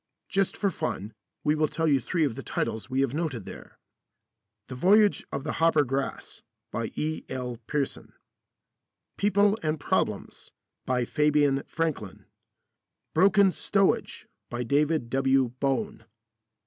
Just for fun, we will tell you three of the titles we have noted there: "The Voyage of the Hoppergrass," by E.L. Pearson. "People and Problems," by Fabian Franklin. "Broken Stowage," by David W. Bone.